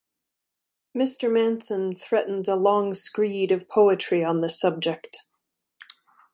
Mr. Manson threatens a long screed of poetry on the subject.